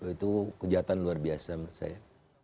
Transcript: itu kejahatan luar biasa menurut saya